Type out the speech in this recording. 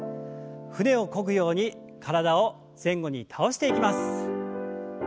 船をこぐように体を前後に倒していきます。